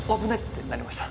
てなりました。